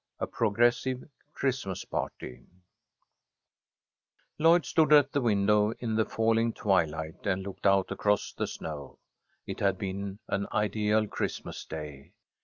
A PROGRESSIVE CHRISTMAS PARTY LLOYD stood at the window in the falling twilight and looked out across the snow. It had been an ideal Christmas Day.